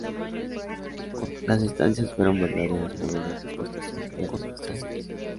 Las estancias fueron verdaderos modelos de exportación y administración.